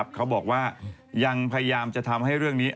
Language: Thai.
เขาบอกว่ายังพยายามจะทำให้เรื่องนี้